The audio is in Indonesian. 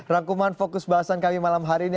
rangkuman fokus bahasan kami malam hari ini